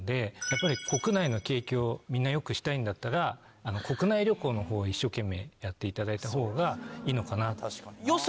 やっぱり国内の景気をみんなよくしたいんだったら国内旅行のほうを一生懸命やっていただいたほうがいいのかな。